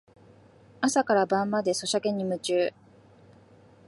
朝から晩までソシャゲに夢中